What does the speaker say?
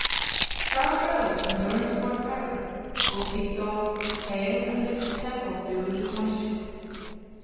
Charles rose and turned toward Parry, whom he saw pale and with his temples dewed with moisture.